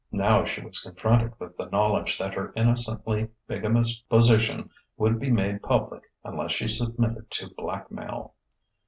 Now she was confronted with the knowledge that her innocently bigamous position would be made public unless she submitted to blackmail.